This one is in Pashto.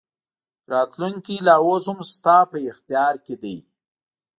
راتلونکې لا اوس هم ستا په اختیار کې ده.